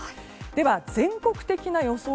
では全国的な予想